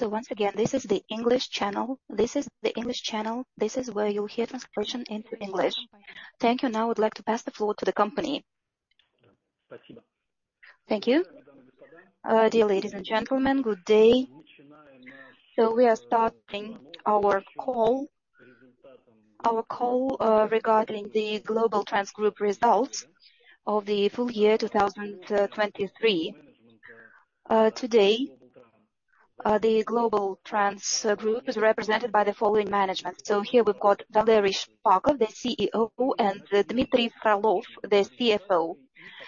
Once again, this is the English channel. This is the English channel. This is where you'll hear translation into English. Thank you. Now, I would like to pass the floor to the company. Thank you. Dear ladies and gentlemen, good day. We are starting our call regarding the Globaltrans Group results of the full year 2023. Today, the Globaltrans Group is represented by the following management. Here we've got Valery Shpakov, the CEO, and Dmitry Frolov, the CFO.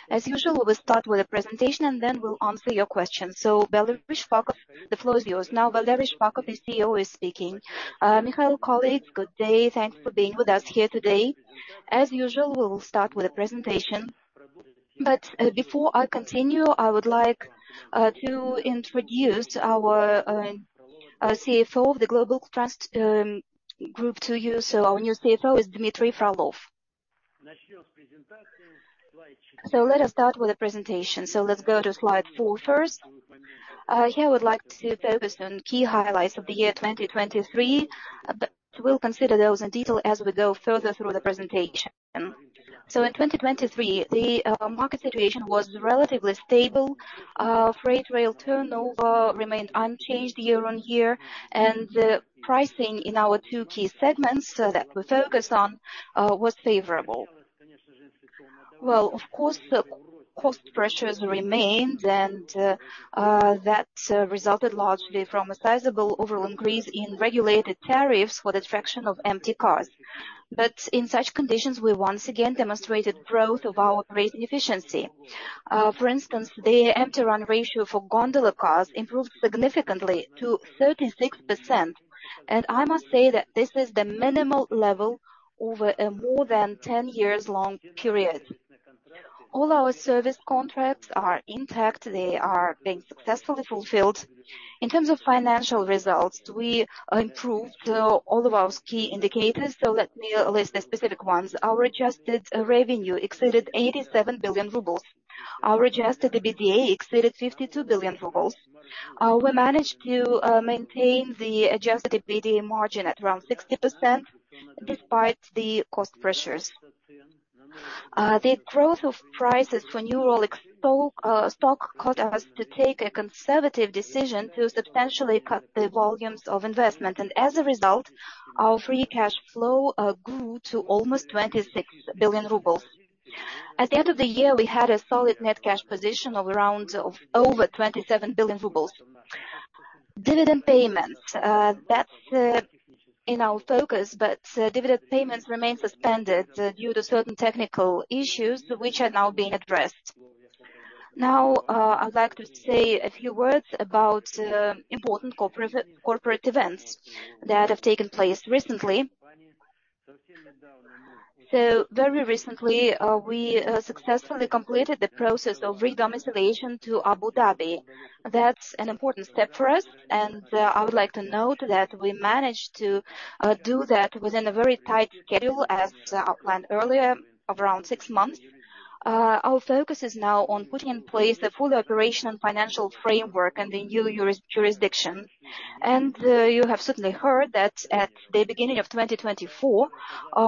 As usual, we'll start with a presentation, and then we'll answer your questions. Valery Shpakov, the floor is yours. Now, Valery Shpakov, the CEO, is speaking. Mikhail, colleagues, good day. Thanks for being with us here today. As usual, we will start with a presentation, but before I continue, I would like to introduce our CFO of the Globaltrans Group to you. Our new CFO is Dmitry Frolov. Let us start with the presentation. Let's go to slide four first. Here, I would like to focus on key highlights of the year 2023, but we'll consider those in detail as we go further through the presentation. So in 2023, the market situation was relatively stable. Freight rail turnover remained unchanged year-on-year, and the pricing in our two key segments that we focus on was favorable. Well, of course, the cost pressures remained, and that resulted largely from a sizable overall increase in regulated tariffs for the fraction of empty costs. But in such conditions, we once again demonstrated growth of our operating efficiency. For instance, the empty run ratio for gondola cars improved significantly to 36%, and I must say that this is the minimal level over a more than 10 years long period. All our service contracts are intact. They are being successfully fulfilled. In terms of financial results, we improved all of our key indicators, so let me list the specific ones. Our adjusted revenue exceeded 87 billion rubles. Our adjusted EBITDA exceeded 52 billion rubles. We managed to maintain the adjusted EBITDA margin at around 60% despite the cost pressures. The growth of prices for new rolling stock caused us to take a conservative decision to substantially cut the volumes of investment, and as a result, our free cash flow grew to almost 26 billion rubles. At the end of the year, we had a solid net cash position of around over 27 billion rubles. Dividend payments, that's in our focus, but dividend payments remain suspended due to certain technical issues which are now being addressed. Now, I'd like to say a few words about important corporate events that have taken place recently. Very recently, we successfully completed the process of re-domiciliation to Abu Dhabi. That's an important step for us, and I would like to note that we managed to do that within a very tight schedule, as planned earlier, around six months. Our focus is now on putting in place the full operational and financial framework in the new jurisdiction. You have certainly heard that at the beginning of 2024,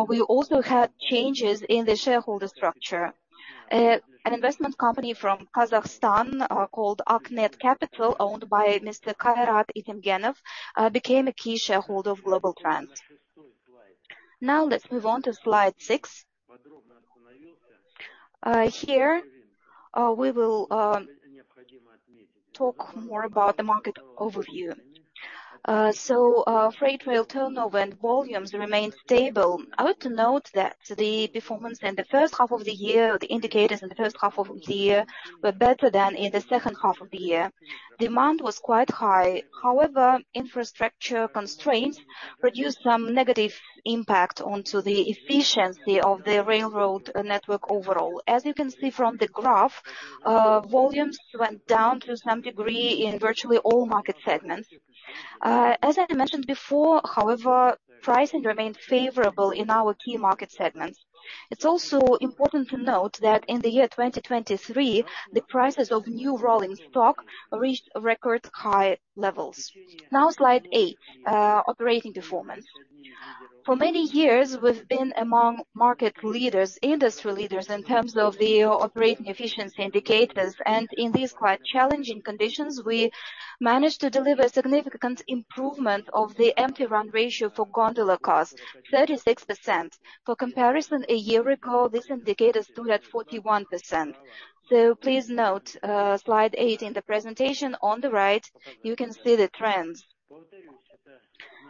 we also had changes in the shareholder structure. An investment company from Kazakhstan, called Aqniet Capital, owned by Mr. Kairat Itemgenov, became a key shareholder of Globaltrans. Now, let's move on to slide six. Here, we will talk more about the market overview. Freight rail turnover and volumes remain stable. I want to note that the performance in the first half of the year, the indicators in the first half of the year, were better than in the second half of the year. Demand was quite high. However, infrastructure constraints produced some negative impact onto the efficiency of the railroad network overall. As you can see from the graph, volumes went down to some degree in virtually all market segments. As I mentioned before, however, pricing remained favorable in our key market segments. It's also important to note that in the year 2023, the prices of new rolling stock reached record high levels. Now, slide eight, operating performance. For many years, we've been among market leaders, industry leaders, in terms of the operating efficiency indicators, and in these quite challenging conditions, we managed to deliver significant improvement of the empty run ratio for gondola cars, 36%. For comparison, a year ago, this indicator stood at 41%. Please note, slide eight in the presentation on the right, you can see the trends.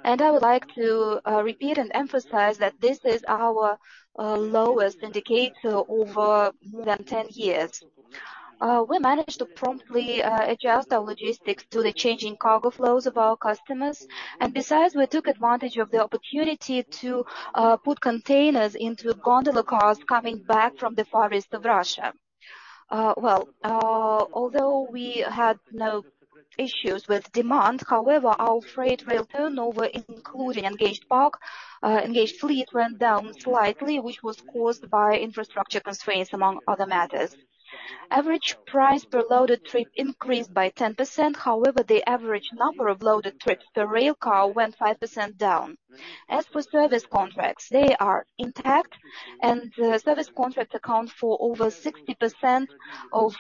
And I would like to, repeat and emphasize that this is our, lowest indicator over more than 10 years. We managed to promptly adjust our logistics to the changing cargo flows of our customers. And besides, we took advantage of the opportunity to, put containers into gondola cars coming back from the Far East of Russia. Well, although we had no issues with demand, however, our freight rail turnover, including engaged park, engaged fleet, went down slightly, which was caused by infrastructure constraints, among other matters. Average price per loaded trip increased by 10%. However, the average number of loaded trips per rail car went 5% down. As for service contracts, they are intact, and the service contract accounts for over 60% of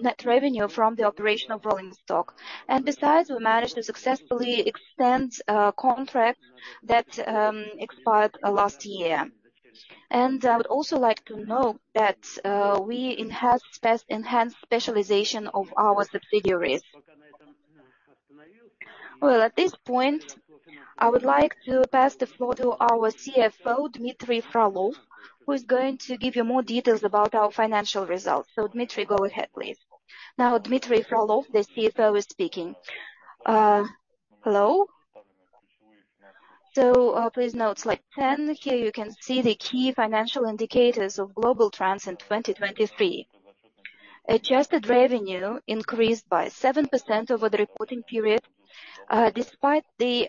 net revenue from the operation of rolling stock. And besides, we managed to successfully extend contract that expired last year. And I would also like to note that we enhanced specialization of our subsidiaries. Well, at this point, I would like to pass the floor to our CFO, Dmitry Frolov, who is going to give you more details about our financial results. Dmitry, go ahead, please. Now, Dmitry Frolov, the CFO, is speaking. Hello. So, please note slide 10. Here you can see the key financial indicators of Globaltrans in 2023. Adjusted revenue increased by 7% over the reporting period. Despite the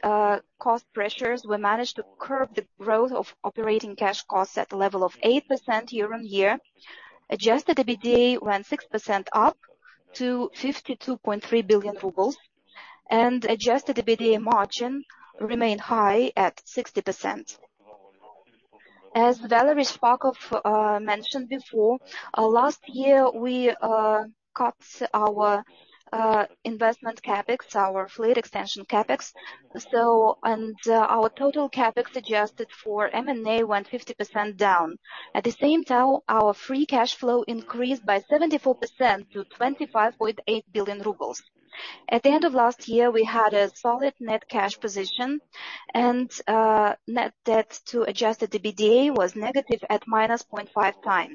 cost pressures, we managed to curb the growth of operating cash costs at a level of 8% year-on-year. Adjusted EBITDA went 6% up to 52.3 billion rubles, and adjusted EBITDA margin remained high at 60%. As Valery Shpakov mentioned before, last year, we cut our investment CapEx, our fleet extension CapEx. And, our total CapEx adjusted for M&A went 50% down. At the same time, our free cash flow increased by 74% to 25.8 billion rubles. At the end of last year, we had a solid net cash position, and net debt to adjusted EBITDA was negative at -0.5x.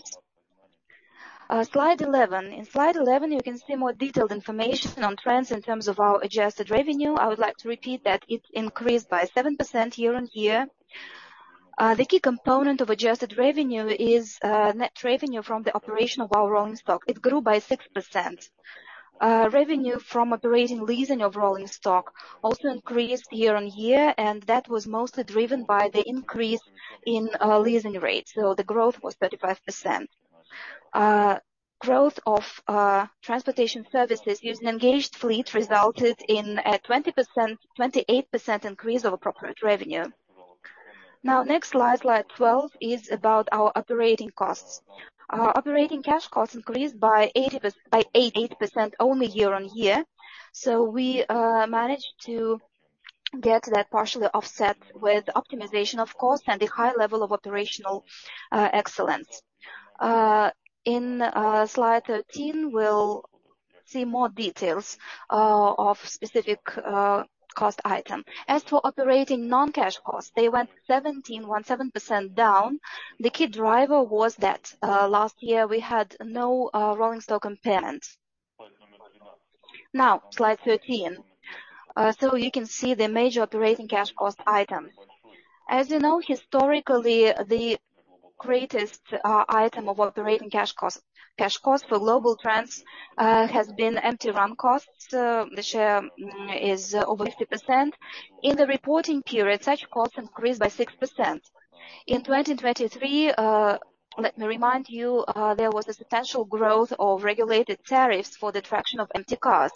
Slide 11. In slide 11, you can see more detailed information on trends in terms of our adjusted revenue. I would like to repeat that it increased by 7% year-on-year. The key component of adjusted revenue is net revenue from the operation of our rolling stock. It grew by 6%. Revenue from operating leasing of rolling stock also increased year-on-year, and that was mostly driven by the increase in leasing rates. So the growth was 35%. Growth of transportation services using engaged fleet resulted in a 28% increase over appropriate revenue. Now, next slide, slide 12, is about our operating costs. Our operating cash costs increased by 8% year-on-year, so we managed to get that partially offset with optimization of cost and a high level of operational excellence. In slide 13, we'll see more details of specific cost item. As to operating non-cash costs, they went 17% down. The key driver was that last year we had no rolling stock impairment. Now, slide 13. So you can see the major operating cash cost item. As you know, historically, the greatest item of operating cash costs, cash costs for Globaltrans, has been empty run costs. The share is over 50%. In the reporting period, such costs increased by 6%. In 2023, let me remind you, there was a substantial growth of regulated tariffs for the traction of empty cars,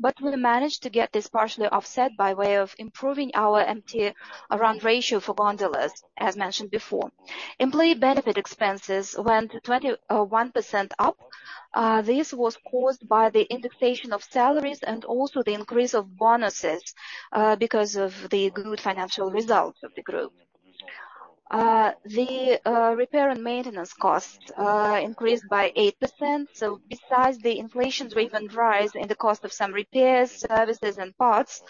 but we managed to get this partially offset by way of improving our empty run ratio for gondolas, as mentioned before. Employee benefit expenses went 21% up. This was caused by the indexation of salaries and also the increase of bonuses, because of the good financial results of the group. The repair and maintenance costs increased by 8%. Besides the inflation-driven rise in the cost of some repairs, services, and parts,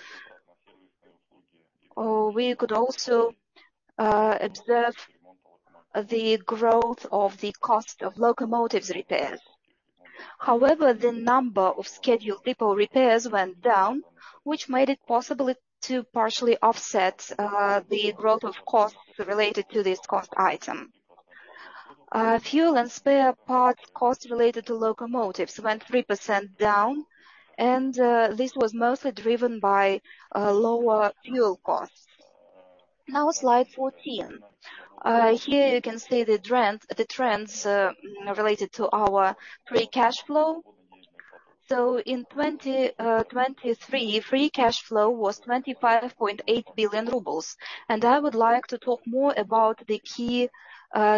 we could also observe the growth of the cost of locomotives repairs. However, the number of scheduled depot repairs went down, which made it possible to partially offset the growth of costs related to this cost item. Fuel and spare parts costs related to locomotives went 3% down, and this was mostly driven by lower fuel costs. Now, slide 14. Here you can see the trend, the trends related to our free cash flow. So in 2023, free cash flow was 25.8 billion rubles. And I would like to talk more about the key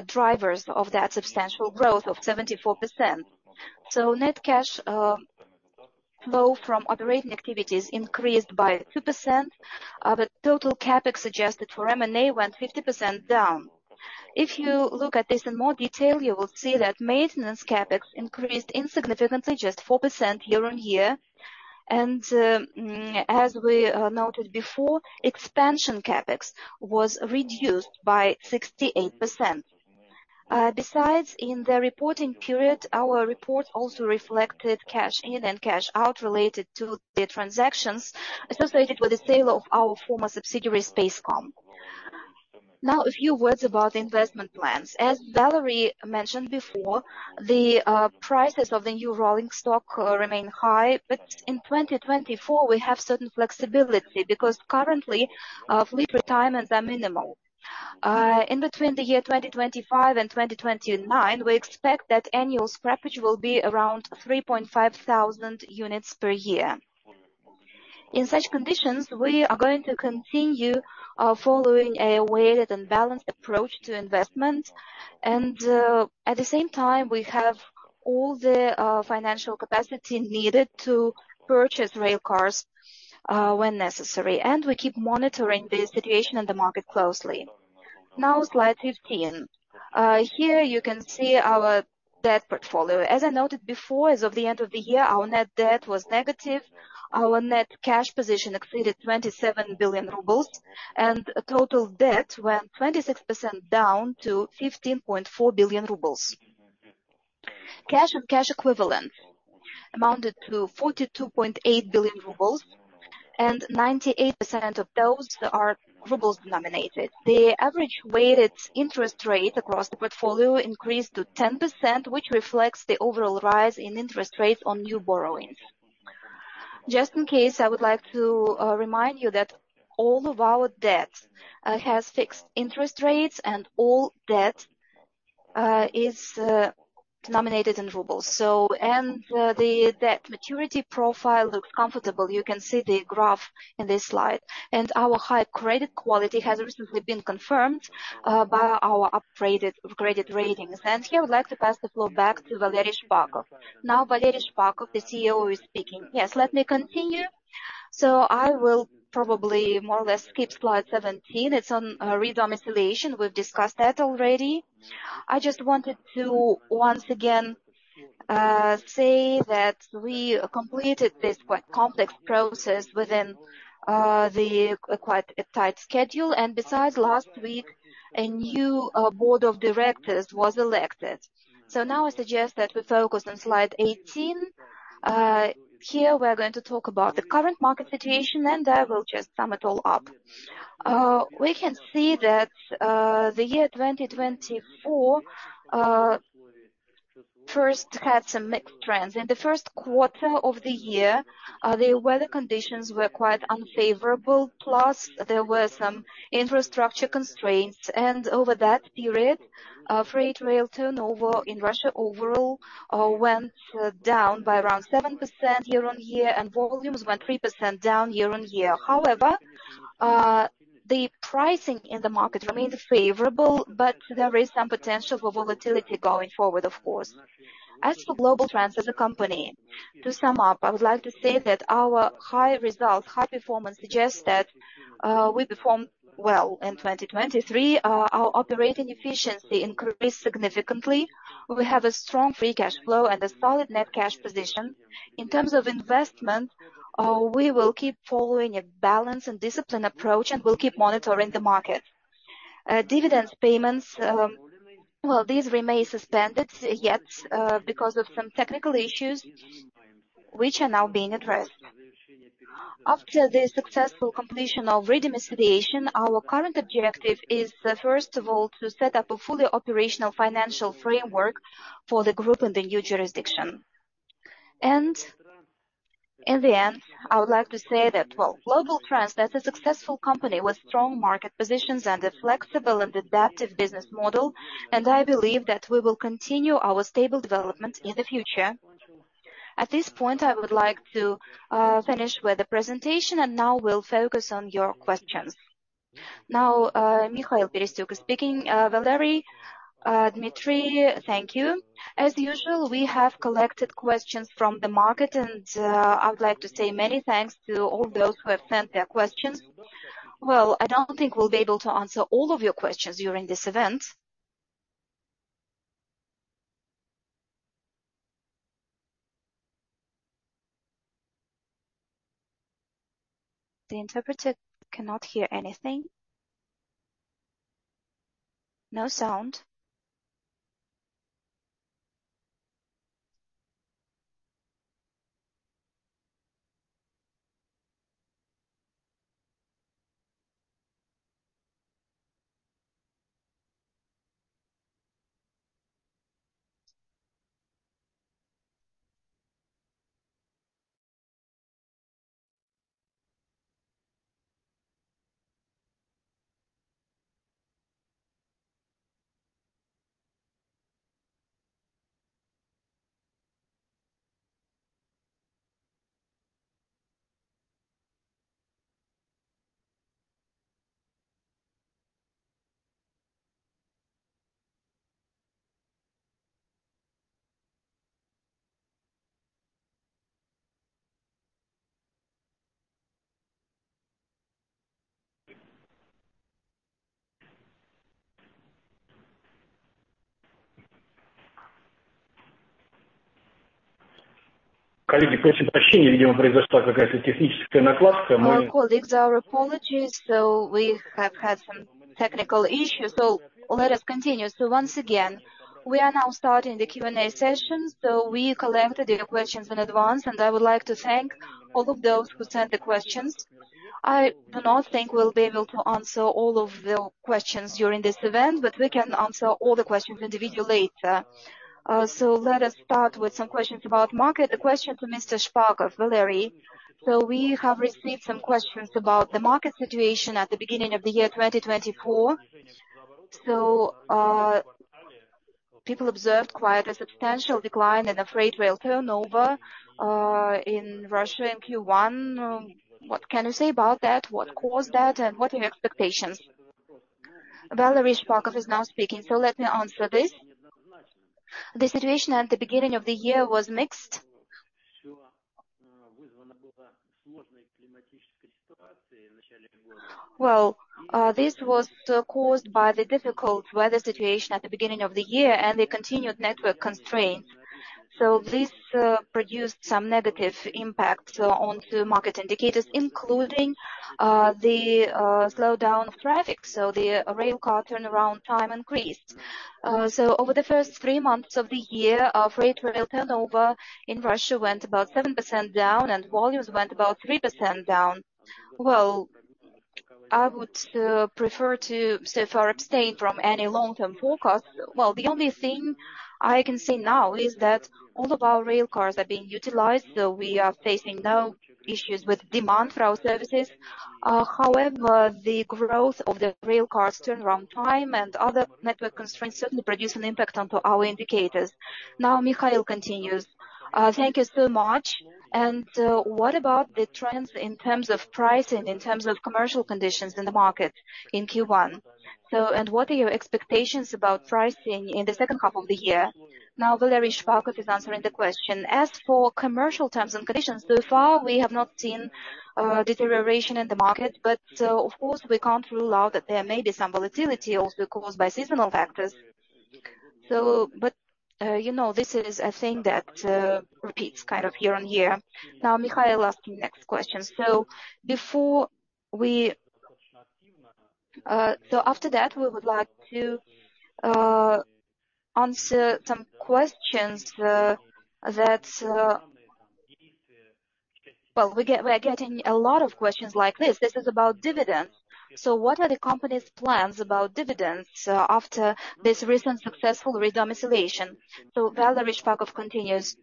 drivers of that substantial growth of 74%. So net cash flow from operating activities increased by 2%. The total CapEx adjusted for M&A went 50% down. If you look at this in more detail, you will see that maintenance CapEx increased insignificantly, just 4% year-on-year. And as we noted before, expansion CapEx was reduced by 68%. Besides, in the reporting period, our report also reflected cash in and cash out related to the transactions associated with the sale of our former subsidiary, Spacecom. Now, a few words about investment plans. As Valery mentioned before, the prices of the new rolling stock remain high, but in 2024, we have certain flexibility because currently, fleet retirements are minimal. In between the year 2025 and 2029, we expect that annual scrappage will be around 3,500 units per year. In such conditions, we are going to continue following a weighted and balanced approach to investment, and at the same time, we have all the financial capacity needed to purchase rail cars when necessary, and we keep monitoring the situation in the market closely. Now, slide 15. Here you can see our debt portfolio. As I noted before, as of the end of the year, our net debt was negative. Our net cash position exceeded 27 billion rubles, and total debt went 26% down to 15.4 billion rubles. Cash and cash equivalents amounted to 42.8 billion rubles, and 98% of those are rubles denominated. The average weighted interest rate across the portfolio increased to 10%, which reflects the overall rise in interest rates on new borrowings. Just in case, I would like to remind you that all of our debt has fixed interest rates, and all debt is denominated in rubles. The debt maturity profile looks comfortable. You can see the graph in this slide. Our high credit quality has recently been confirmed by our upgraded ratings. Here, I would like to pass the floor back to Valery Shpakov. Now, Valery Shpakov, the CEO, is speaking. Yes, let me continue. So I will probably more or less skip slide 17. It's on re-domiciliation. We've discussed that already. I just wanted to once again say that we completed this quite complex process within the quite a tight schedule. And besides, last week, a new board of directors was elected. So now I suggest that we focus on slide 18. Here we're going to talk about the current market situation, and I will just sum it all up. We can see that the year 2024 first had some mixed trends. In the first quarter of the year, the weather conditions were quite unfavorable, plus there were some infrastructure constraints, and over that period, freight rail turnover in Russia overall went down by around 7% year-on-year, and volumes went 3% down year-on-year. However, the pricing in the market remains favorable, but there is some potential for volatility going forward, of course. As for global trends of the company, to sum up, I would like to say that our high results, high performance, suggests that we performed well in 2023. Our operating efficiency increased significantly. We have a strong free cash flow and a solid net cash position. In terms of investment, we will keep following a balanced and disciplined approach, and we'll keep monitoring the market. Dividend payments, well, these remain suspended, yet, because of some technical issues which are now being addressed. After the successful completion of re-domiciliation, our current objective is, first of all, to set up a fully operational financial framework for the group in the new jurisdiction. In the end, I would like to say that, well, Globaltrans is a successful company with strong market positions and a flexible and adaptive business model, and I believe that we will continue our stable development in the future. At this point, I would like to finish with the presentation, and now we'll focus on your questions. Now, Mikhail Perestyuk is speaking. Valery, Dmitry, thank you. As usual, we have collected questions from the market, and I would like to say many thanks to all those who have sent their questions. Well, I don't think we'll be able to answer all of your questions during this event. The interpreter cannot hear anything. No sound. Colleagues, our apologies, so we have had some technical issues, so let us continue. Once again, we are now starting the Q&A session. So we collected your questions in advance, and I would like to thank all of those who sent the questions. I do not think we'll be able to answer all of the questions during this event, but we can answer all the questions individually later. So let us start with some questions about market. A question to Mr. Shpakov, Valery. So we have received some questions about the market situation at the beginning of the year 2024. So, people observed quite a substantial decline in the freight rail turnover in Russia, in Q1. What can you say about that? What caused that, and what are your expectations? Valery Shpakov is now speaking. Let me answer this. The situation at the beginning of the year was mixed. Well, this was caused by the difficult weather situation at the beginning of the year and the continued network constraints. So this produced some negative impact on to market indicators, including, the slowdown of traffic, so the rail car turnaround time increased. So over the first three months of the year, our freight rail turnover in Russia went about 7% down and volumes went about 3% down. Well, I would prefer to so far abstain from any long-term forecast. Well, the only thing I can say now is that all of our rail cars are being utilized, so we are facing no issues with demand for our services. However, the growth of the rail cars turnaround time and other network constraints certainly produce an impact on to our indicators. Now, Mikhail continues. Thank you so much. What about the trends in terms of pricing, in terms of commercial conditions in the market in Q1? What are your expectations about pricing in the second half of the year? Now, Valery Shpakov is answering the question. As for commercial terms and conditions, so far, we have not seen deterioration in the market, but, of course, we can't rule out that there may be some volatility also caused by seasonal factors. But, you know, this is a thing that repeats kind of year-on-year. Now, Mikhail asking the next question. So after that, we would like to answer some questions. Well, we are getting a lot of questions like this. This is about dividends. So what are the company's plans about dividends after this recent successful re-domiciliation? So Valery Shpakov continues.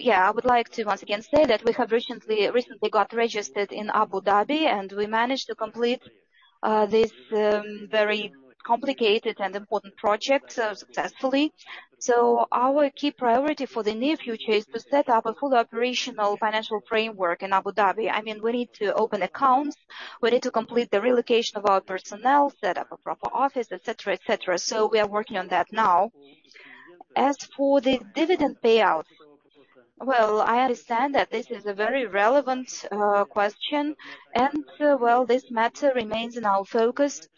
Yeah, I would like to once again say that we have recently, recently got registered in Abu Dhabi, and we managed to complete this very complicated and important project successfully. Our key priority for the near future is to set up a full operational financial framework in Abu Dhabi. We need to open accounts, we need to complete the relocation of our personnel, set up a proper office, et cetera, et cetera. So we are working on that now. As for the dividend payout, well, I understand that this is a very relevant question, and well, this matter remains in our focus.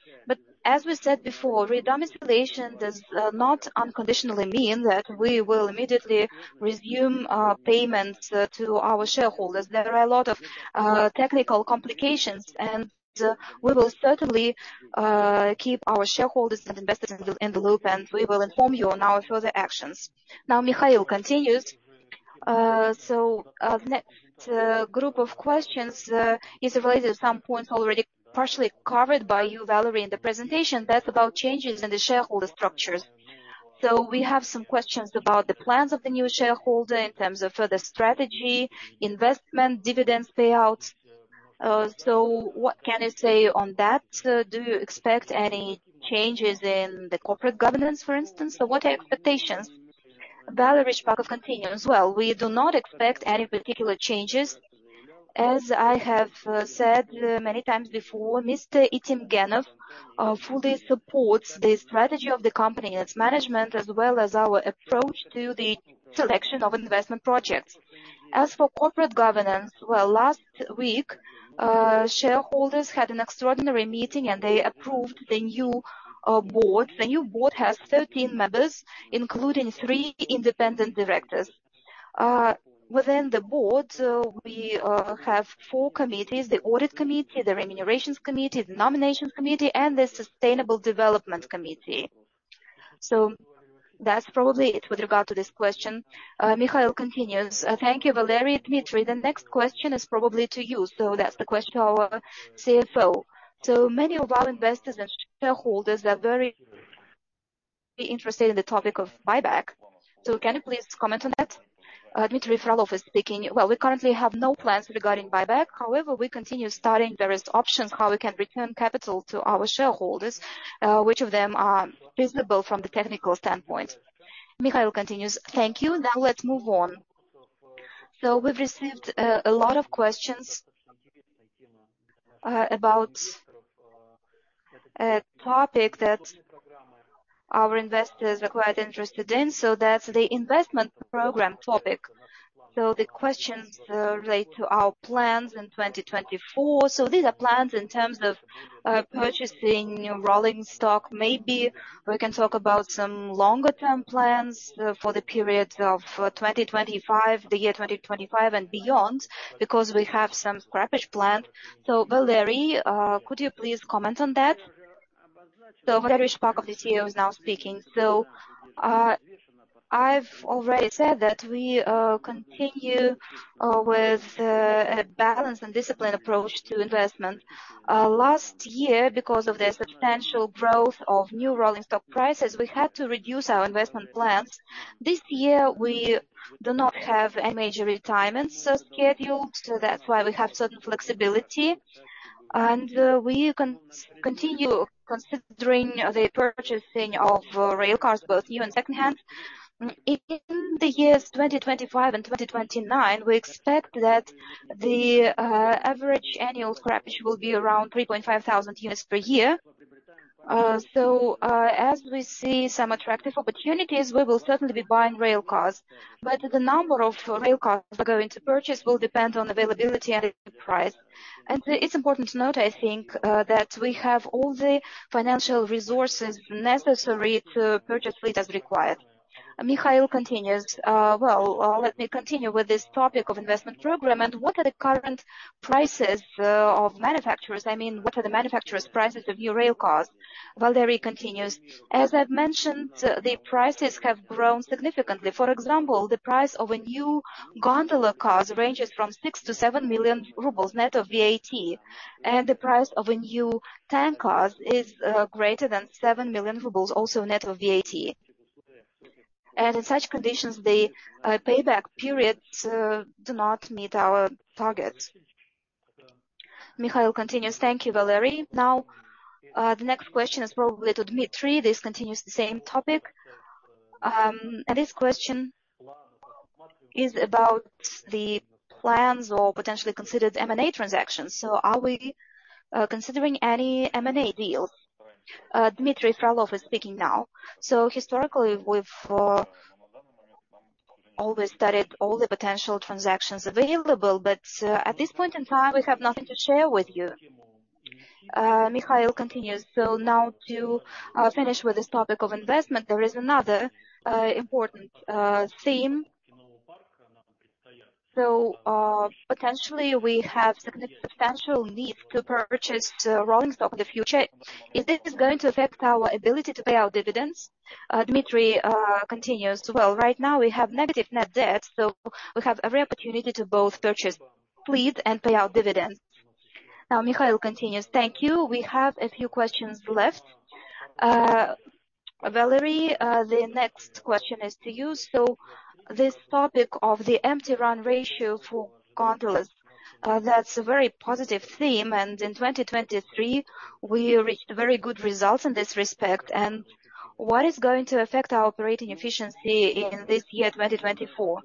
As we said before, re-domiciliation does not unconditionally mean that we will immediately resume payments to our shareholders. There are a lot of technical complications, and we will certainly keep our shareholders and investors in the loop, and we will inform you on our further actions. Now, Mikhail continues. So next group of questions is related to some points already partially covered by you, Valery, in the presentation. That's about changes in the shareholder structures. So we have some questions about the plans of the new shareholder in terms of further strategy, investment, dividend payouts. So what can you say on that? Do you expect any changes in the corporate governance, for instance? So what are your expectations? Valery Shpakov continues. Well, we do not expect any particular changes. As I have said many times before, Mr. Itemgenov fully supports the strategy of the company and its management, as well as our approach to the selection of investment projects. As for corporate governance, well, last week shareholders had an extraordinary meeting, and they approved the new board. The new board has 13 members, including three independent directors. Within the board, we have four committees: the audit committee, the remunerations committee, the nominations committee, and the sustainable development committee. So that's probably it with regard to this question. Mikhail continues. Thank you, Valery. Dmitry, the next question is probably to you, so that's the question to our CFO. So many of our investors and shareholders are very interested in the topic of buyback. So can you please comment on that? Dmitry Frolov is speaking. Well, we currently have no plans regarding buyback. However, we continue studying various options, how we can return capital to our shareholders, which of them are feasible from the technical standpoint. Mikhail continues. Thank you. Now let's move on. So we've received a lot of questions about a topic that our investors are quite interested in. So that's the investment program topic. So the questions relate to our plans in 2024. So these are plans in terms of purchasing rolling stock. Maybe we can talk about some longer-term plans for the period of 2025, the year 2025 and beyond, because we have some scrappage planned. Valery, could you please comment on that? Valery Shpakov, the CEO, is now speaking. I've already said that we continue with a balanced and disciplined approach to investment. Last year, because of the substantial growth of new rolling stock prices, we had to reduce our investment plans. This year, we do not have any major retirements scheduled. That's why we have certain flexibility. And, we continue considering the purchasing of rail cars, both new and secondhand. In the years 2025 and 2029, we expect that the, average annual scrappage will be around 3,500 units per year. As we see some attractive opportunities, we will certainly be buying rail cars, but the number of rail cars we're going to purchase will depend on availability and the price. And it's important to note, I think, that we have all the financial resources necessary to purchase fleet as required. Mikhail continues. Well, let me continue with this topic of investment program, and what are the current prices of manufacturers? I mean, what are the manufacturers' prices of new rail cars? Valery continues. As I've mentioned, the prices have grown significantly. For example, the price of a new gondola cars ranges from 6 million-7 million rubles, net of VAT, and the price of a new tank cars is greater than 7 million rubles, also net of VAT. In such conditions, the payback periods do not meet our targets. Mikhail continues. Thank you, Valery. Now, the next question is probably to Dmitry. This continues the same topic. And this question is about the plans or potentially considered M&A transactions. Are we considering any M&A deals? Dmitry Frolov is speaking now. So historically, we've always studied all the potential transactions available, but at this point in time, we have nothing to share with you. Mikhail continues. So now to finish with this topic of investment, there is another important theme. So potentially we have substantial need to purchase rolling stock in the future. Is this going to affect our ability to pay our dividends? Dmitry continues. Well, right now we have negative net debt, so we have every opportunity to both purchase fleet and pay out dividends. Now, Mikhail continues. Thank you. We have a few questions left. Valery, the next question is to you. So this topic of the empty run ratio for gondolas, that's a very positive theme, and in 2023, we reached very good results in this respect. What is going to affect our operating efficiency in this year, 2024?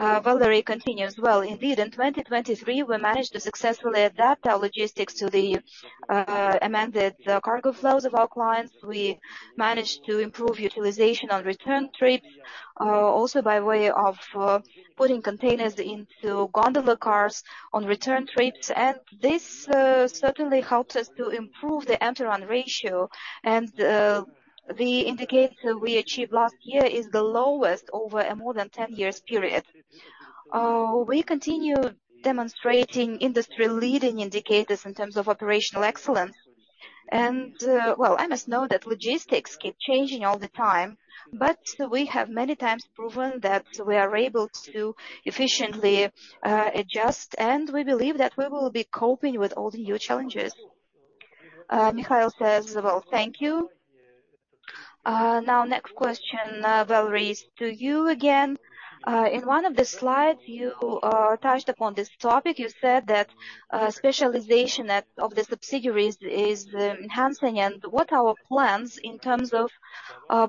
Valery continues. Well, indeed, in 2023, we managed to successfully adapt our logistics to the amended cargo flows of our clients. We managed to improve utilization on return trips, also by way of putting containers into gondola cars on return trips, and this certainly helped us to improve the empty run ratio. And the indicator we achieved last year is the lowest over a more than 10 years period. We continue demonstrating industry-leading indicators in terms of operational excellence. And well, I must know that logistics keep changing all the time, but we have many times proven that we are able to efficiently adjust, and we believe that we will be coping with all the new challenges. Mikhail says. Well, thank you. Now, next question, Valery, is to you again. In one of the slides, you touched upon this topic. You said that specialization of the subsidiaries is enhancing, and what are our plans in terms of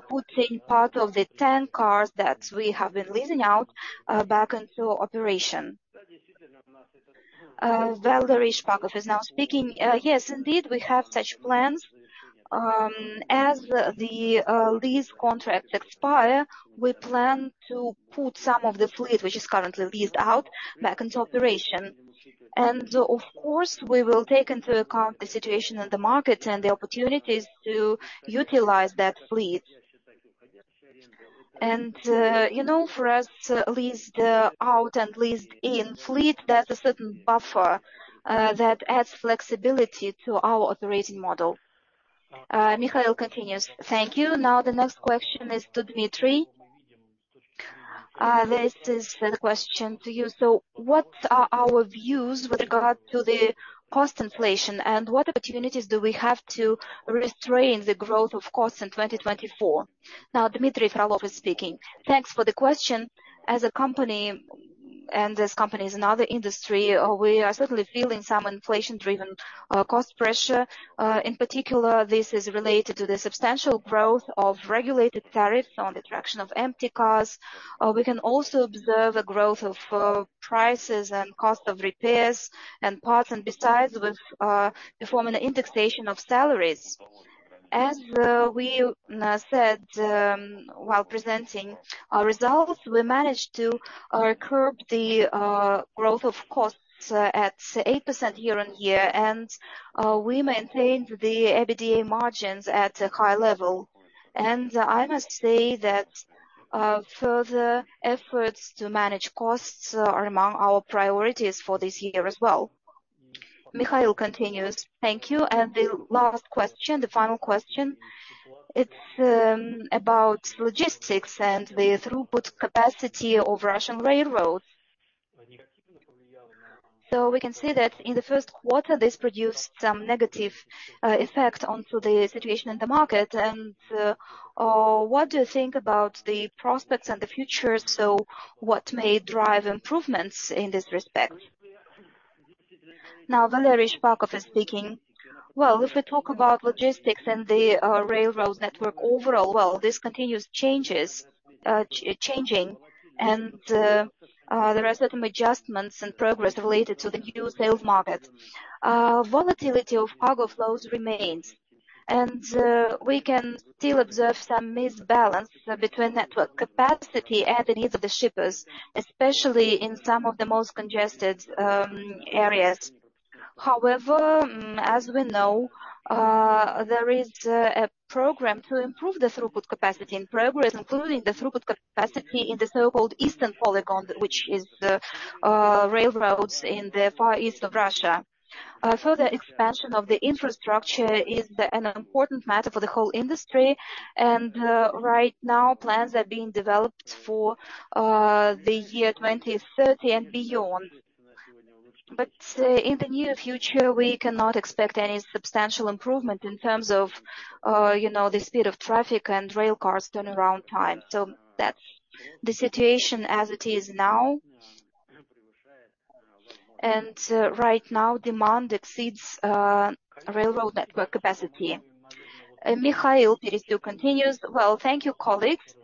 putting part of the tank cars that we have been leasing out back into operation? Valery Shpakov is now speaking. Yes, indeed, we have such plans. As the lease contract expire, we plan to put some of the fleet, which is currently leased out, back into operation. And of course, we will take into account the situation in the market and the opportunities to utilize that fleet. And you know, for us, leased out and leased in fleet, there's a certain buffer that adds flexibility to our operating model. Mikhail continues. Thank you. Now, the next question is to Dmitry. This is the question to you: what are our views with regard to the cost inflation, and what opportunities do we have to restrain the growth of costs in 2024? Now, Dmitry Frolov is speaking. Thanks for the question. As a company, and this company is another industry, we are certainly feeling some inflation-driven, cost pressure. In particular, this is related to the substantial growth of regulated tariffs on the traction of empty cars. We can also observe a growth of prices and cost of repairs and parts, and besides, with performing an indexation of salaries. As we said, while presenting our results, we managed to curb the growth of costs at 8% year-on-year, and we maintained the EBITDA margins at a high level. I must say that further efforts to manage costs are among our priorities for this year as well. Mikhail continues. Thank you. And the last question, the final question, it's about logistics and the throughput capacity of Russian railroads. So we can see that in the first quarter, this produced some negative effect onto the situation in the market. What do you think about the prospects and the future? So what may drive improvements in this respect? Now, Valery Shpakov is speaking. Well, if we talk about logistics and the railroads network overall, well, this continues changing, and there are certain adjustments and progress related to the new sales market. Volatility of cargo flows remains. We can still observe some imbalance between network capacity and the needs of the shippers, especially in some of the most congested areas. However, as we know, there is a program to improve the throughput capacity and progress, including the throughput capacity in the so-called Eastern polygon, which is the railroads in the Far East of Russia. Further expansion of the infrastructure is an important matter for the whole industry. Right now, plans are being developed for the year 2030 and beyond. But, in the near future, we cannot expect any substantial improvement in terms of, you know, the speed of traffic and rail cars turnaround time. So that's the situation as it is now. And, right now, demand exceeds railroad network capacity. Mikhail Perestyuk continues. Well, thank you, colleagues.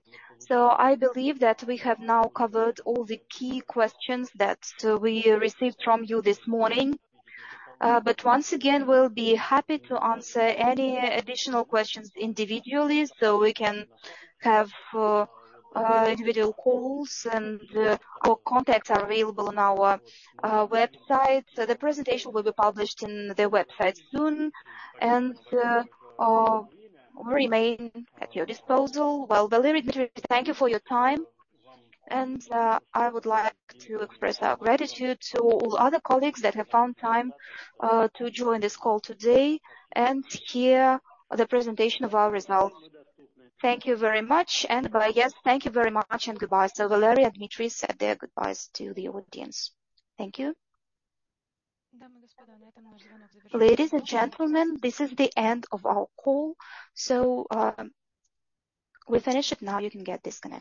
So I believe that we have now covered all the key questions that we received from you this morning. But once again, we'll be happy to answer any additional questions individually, so we can have individual calls, and our contacts are available on our website. So the presentation will be published in the website soon, and we remain at your disposal. Well, Valery and Dmitry, thank you for your time, and I would like to express our gratitude to all other colleagues that have found time to join this call today and hear the presentation of our results. Thank you very much, and bye. Yes, thank you very much, and goodbye. Valery and Dmitry said their goodbyes to the audience. Thank you. Ladies and gentlemen, this is the end of our call. We finish it now. You can get disconnected.